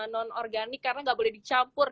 non organik karena nggak boleh dicampur